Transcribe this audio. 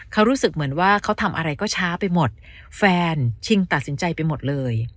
เขารู้สึกเหมือนว่าเขาทำอะไรก็ช้าไปหมดแฟนชิงตัดสินใจไปหมดเลย